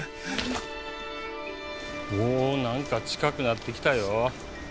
お何か近くなってきたよ。